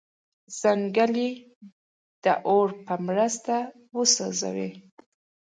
ځنګل یې د اور په مرسته وسوځاوه.